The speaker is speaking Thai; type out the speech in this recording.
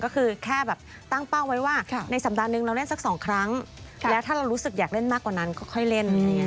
ก็คือแค่แบบตั้งเป้าไว้ว่าในสัปดาห์นึงเราเล่นสัก๒ครั้งแล้วถ้าเรารู้สึกอยากเล่นมากกว่านั้นก็ค่อยเล่น